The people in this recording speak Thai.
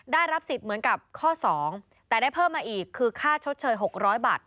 ได้รับสิทธิ์เหมือนกับข้อ๒แต่ได้เพิ่มมาอีกคือค่าชดเชย๖๐๐บาท